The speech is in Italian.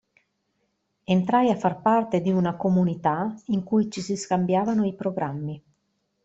Entrai a far parte di una comunità in cui ci si scambiavano i programmi.